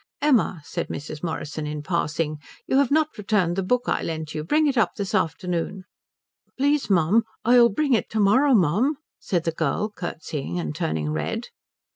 "Emma," said Mrs. Morrison in passing, "you have not returned the book I lent you. Bring it up this afternoon." "Please mum, I'll bring it to morrow, mum," said the girl, curtseying and turning red.